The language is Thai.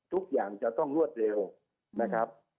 ทุกอย่างจะต้องรวดเร็วนะครับ